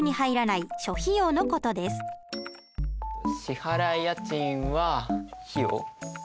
支払家賃は費用？